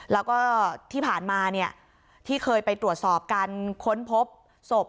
แล้วก็ที่ผ่านมาที่เคยไปตรวจสอบการค้นพบศพ